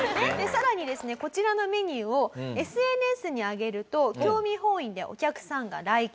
さらにですねこちらのメニューをＳＮＳに上げると興味本位でお客さんが来客。